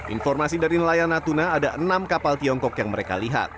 informasi dari nelayan natuna ada enam kapal tiongkok yang mereka lihat